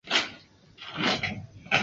也是古代士人未得功名时所穿衣服。